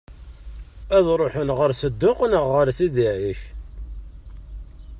Ad ṛuḥen ɣer Sedduq neɣ ɣer Sidi Ɛic?